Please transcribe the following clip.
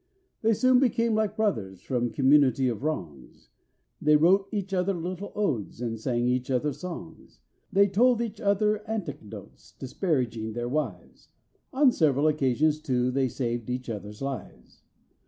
They soon became like brothers from community of wrongs: They wrote each other little odes and sang each other songs; They told each other anecdotes disparaging their wives; On several occasions, too, they saved each other's lives.